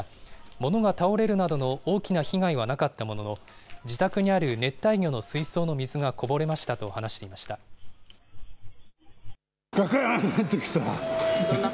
物が倒れるなどの大きな被害はなかったものの、自宅にある熱帯魚の水槽の水がこぼれましたと話しがくんときた。